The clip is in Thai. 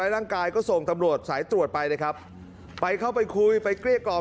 ร่างกายก็ส่งตำรวจสายตรวจไปเลยครับไปเข้าไปคุยไปเกลี้ยกล่อม